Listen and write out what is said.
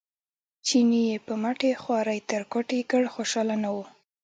چیني یې په مټې خوارۍ تر کوټې کړ خوشاله نه و.